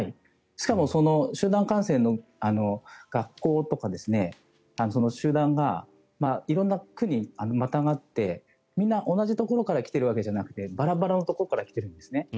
しかも集団感染の学校とか集団が色んな区にまたがってみんな同じところから来てるわけではなくてバラバラのところから来てるんですね。